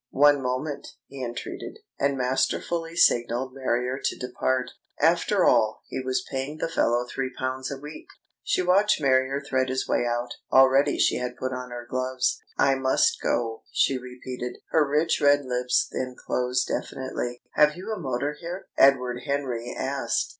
"One moment," he entreated, and masterfully signalled Marrier to depart. After all, he was paying the fellow three pounds a week. She watched Marrier thread his way out. Already she had put on her gloves. "I must go," she repeated, her rich red lips then closed definitely. "Have you a motor here?" Edward Henry asked.